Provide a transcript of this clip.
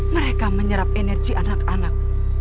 mereka menyerap energi anak anak